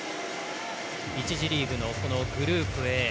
１次リーグのグループＡ。